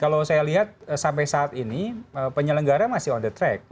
kalau saya lihat sampai saat ini penyelenggara masih on the track